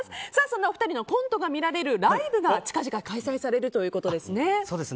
そんなお二人のコントが見られるライブが近々開催されるということですね。